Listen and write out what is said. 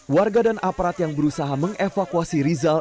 warga dan aparat yang berusaha mengevakuasi rizal